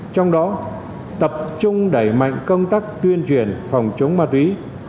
trong đó tập trung đẩy mạnh công tác tuyên truyền phòng chống ma túy